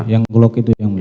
yang glock itu yang